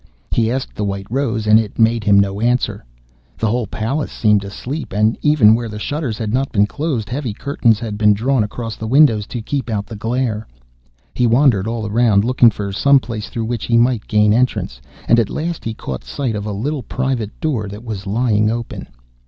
He asked the white rose, and it made him no answer. The whole palace seemed asleep, and even where the shutters had not been closed, heavy curtains had been drawn across the windows to keep out the glare. He wandered all round looking for some place through which he might gain an entrance, and at last he caught sight of a little private door that was lying open.